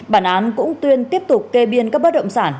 bản án cũng tuyên tiếp tục kê biên các bất động sản